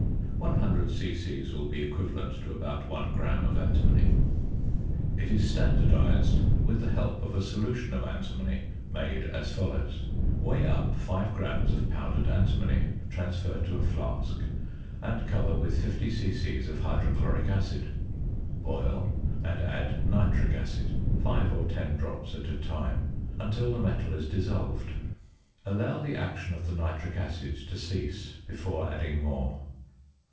One hundred c.c. will be equivalent to about 1 gram of antimony. It is standardised with the help of a solution of antimony made as follows: Weigh up 5 grams of powdered antimony, transfer to a flask, and cover with 50 c.c. of hydrochloric acid; boil, and add nitric acid (5 or 10 drops at a time) until the metal is dissolved. Allow the action of the nitric acid to cease before adding more.